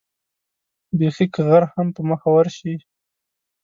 بېخي که غر هم په مخه ورشي.